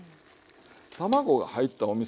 卵が入ったおみそ